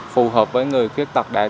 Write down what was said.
phù hợp với người khuyết tật